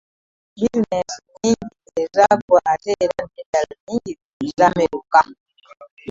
Bizineesi nnyingi ezaagwa ate era n'endala nnyingi zaameruka.